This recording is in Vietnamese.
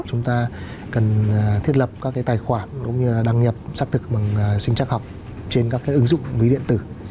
chúng ta cần thiết lập các tài khoản đăng nhập xác thực bằng sinh chắc học trên các ứng dụng ví điện tử